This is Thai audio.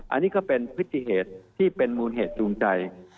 อันนี้ก็เป็นพฤติเหตุที่เป็นมูลเหตุจูงใจ